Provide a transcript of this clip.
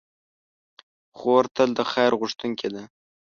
خور تل د خیر غوښتونکې ده.